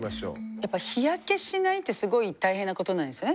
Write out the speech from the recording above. やっぱ日焼けしないってすごい大変なことなんですよね。